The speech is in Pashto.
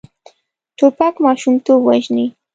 توپک ماشومتوب وژني.